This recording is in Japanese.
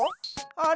あれ？